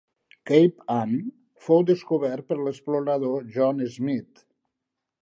Cape Ann fou descobert per l'explorador John Smith.